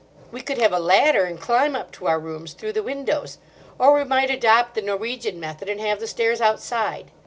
We could have a ladder and climb up to our rooms through the windows. Or we might adopt the Norwegian method and have the stairs outside."